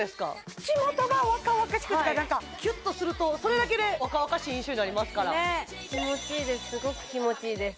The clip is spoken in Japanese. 口元が若々しくっていうか何かキュッとするとそれだけで若々しい印象になりますからすごく気持ちいいです